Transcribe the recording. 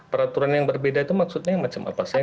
peraturan yang berbeda itu maksudnya macam apa saja